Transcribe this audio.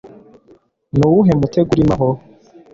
nuwuhe mutego urimo aho